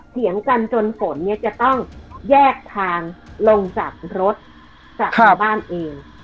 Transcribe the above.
เถียงกันจนฝนเนี่ยจะต้องแยกทางลงจากรถกลับมาบ้านเอง